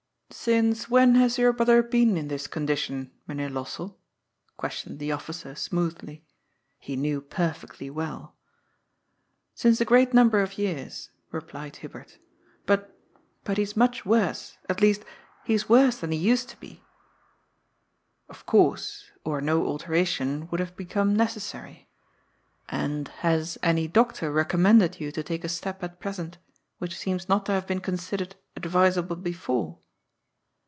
" Since when has your brother been in this condition, Mynheer Lossell ?" questioned the Officer smoothly. He knew perfectly well. " Since a great number of years," replied Hubert. " But — ^but he is much worse, at least, he is worse than he used to be." " Of course, or no alteration would have become neces sary. And has any doctor recommended you to take a step at present, which seems not to have been considered advis able before